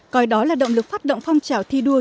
coi đó là động lực phát động phong trào thi đua